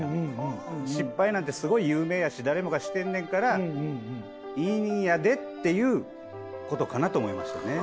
失敗なんてすごい有名やし誰もがしてんねんから。っていう事かなと思いましたね。